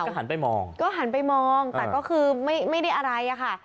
คลอเรังไปมากก็หันไปมองก็คือไม่ก็ไม่ได้อะไรนะคะ